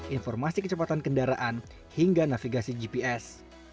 informasi kecepatan kendaraan hingga navigasi gps